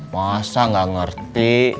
masa gak ngerti